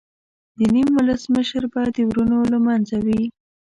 د نیم ولس مشر به د ورونو له منځه وي.